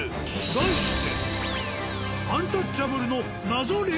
題して。